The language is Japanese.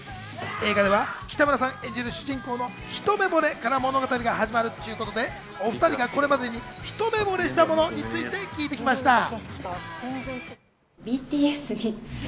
映画では北村さん演じる主人公の一目惚れから物語が始まるということでお２人がこれまでに一目惚れしたものについて聞いてきました。